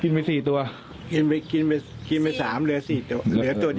กินไปสี่ตัวกินไปกินไปสามเหลือสี่ตัวเหลือตัวเดียว